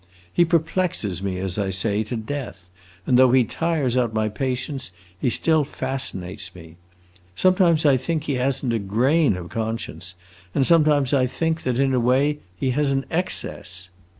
He perplexes me, as I say, to death, and though he tires out my patience, he still fascinates me. Sometimes I think he has n't a grain of conscience, and sometimes I think that, in a way, he has an excess.